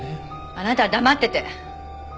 あなたは黙ってて！